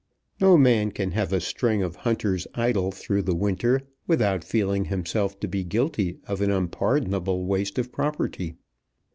No man can have a string of hunters idle through the winter without feeling himself to be guilty of an unpardonable waste of property.